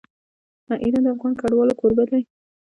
ایران د افغان کډوالو کوربه دی.